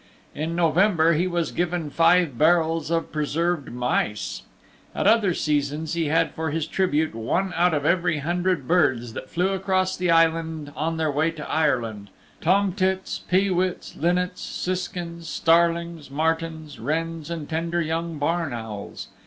In November he was given five barrels of preserved mice. At other seasons he had for his tribute one out of every hundred birds that flew across the Island on their way to Ireland tomtits, pee wits, linnets, siskins, starlings, martins, wrens and tender young barn owls.